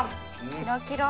キラキラ！